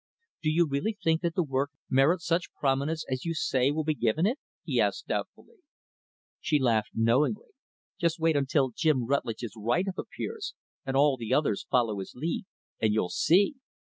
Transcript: "Do you really think that the work merits such prominence as you say will be given it?" he asked doubtfully. She laughed knowingly, "Just wait until Jim Rutlidge's 'write up' appears, and all the others follow his lead, and you'll see!